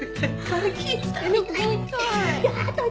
はい。